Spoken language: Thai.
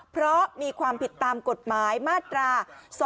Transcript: เพราะมีความผิดตามกฎหมายมาตรา๒๕๖